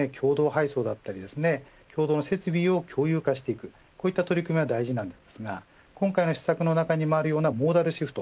具体的には共同配送や共同の設備を共有化していくこういった取り組みが大事ですが今回の施策の中にもあるようなモーダルシフト